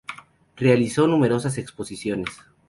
Realizó numerosas exposiciones.